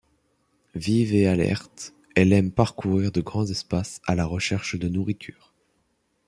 Vive et alerte, elle aime parcourir de grands espaces à la recherche de nourriture.